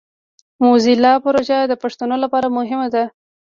موزیلا پروژه د پښتو لپاره مهمه ده.